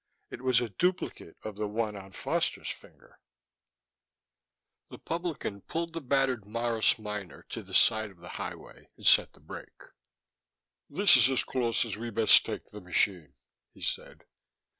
It was a duplicate of the one on Foster's finger. The publican pulled the battered Morris Minor to the side of the highway and set the brake. "This is as close as we best take the machine," he said.